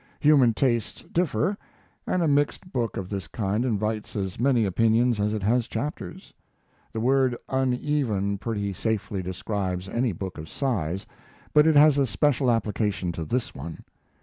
Human tastes differ, and a "mixed" book of this kind invites as many opinions as it has chapters. The word "uneven" pretty safely describes any book of size, but it has a special application to this one.